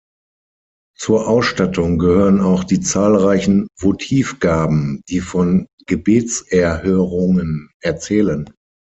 Zur Ausstattung gehören auch die zahlreichen Votivgaben, die von Gebetserhörungen erzählen.